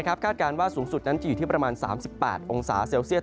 คาดการณ์ว่าสูงสุดนั้นจะอยู่ที่ประมาณ๓๘องศาเซลเซียต